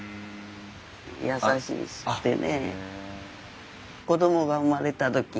優しくてね。